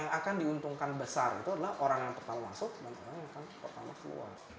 yang akan diuntungkan besar itu adalah orang yang pertama masuk dan orang yang akan pertama keluar